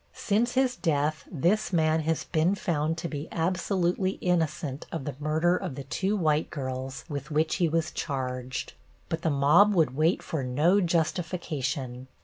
Since his death this man has been found to be absolutely innocent of the murder of the two white girls with which he was charged. But the mob would wait for no justification.